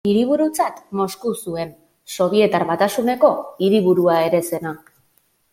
Hiriburutzat Mosku zuen, Sobietar Batasuneko hiriburua ere zena.